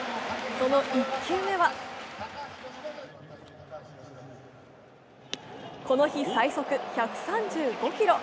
その１球目はこの日、最速１３５キロ。